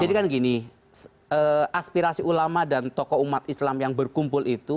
jadi kan gini aspirasi ulama dan tokoh umat islam yang berkumpul itu